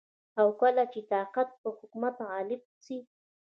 او کله چي طاقت په حکمت غالب سي